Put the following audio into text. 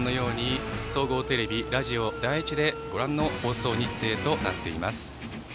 総合テレビ、ラジオ第１でご覧の放送日程となっています。